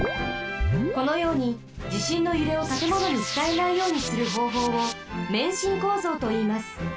このようにじしんのゆれをたてものにつたえないようにするほうほうを「免震構造」といいます。